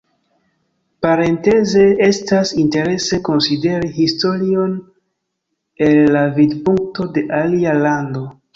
Parenteze, estas interese konsideri historion el la vidpunkto de alia lando.